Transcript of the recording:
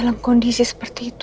dalam kondisi seperti itu